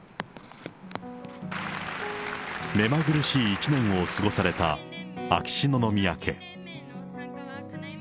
目まぐるしい一年を過ごされた秋篠宮家。